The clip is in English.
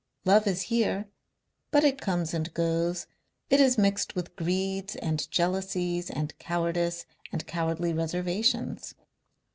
Love is here. But it comes and goes, it is mixed with greeds and jealousies and cowardice and cowardly reservations.